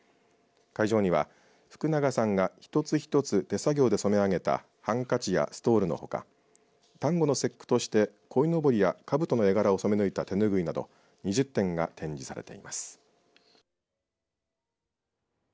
会場には、福永さんが一つ一つ、手作業で染めあげたハンカチやストールのほか端午の節句として、鯉のぼりやかぶとの絵柄を染め抜いた手ぬぐいなど２０点が展示されています。